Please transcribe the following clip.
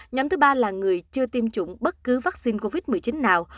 nhóm thứ ba là người chưa tiêm chủng bất cứ vaccine covid một mươi chín nào